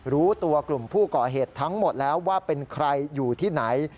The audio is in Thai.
รู้ตัวกลุ่มผู้ก่อเหตุทั้งหมดแล้วว่าเป็นใครอยู่ที่ไหน